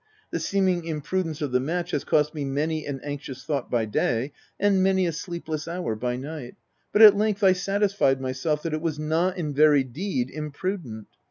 The seeming imprudence of the match has cost me many an anxious thought by day, and many a sleepless hour by night ; but at length, I satisfied myself, that it was not, in very deed, imprudent.